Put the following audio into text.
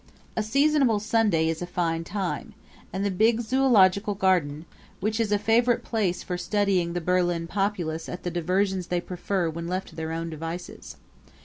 A seasonable Sunday is a fine time; and the big Zoological Garden, which is a favorite place for studying the Berlin populace at the diversions they prefer when left to their own devices.